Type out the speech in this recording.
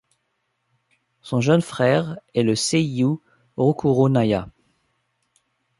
Son jeune frère est le seiyū Rokuro Naya.